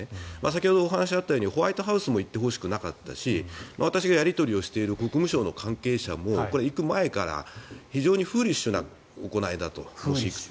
先ほどお話あったようにホワイトハウスも行ってほしくなかったし私がやり取りしている国務省の関係者も行く前から非常にフーリッシュな行いだと。